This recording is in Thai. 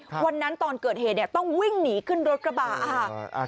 วันนั้นตอนเกิดเหตุต้องวิ่งหนีขึ้นรถกระบาด